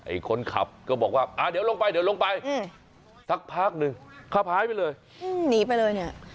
ไอ้คนขับก็บอกว่าเดี๋ยวลงไปสักพักนึงขับหายไปเลยหนีไปเลยเนี่ย